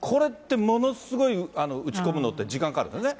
これってものすごい打ち込むのって時間かかるのね。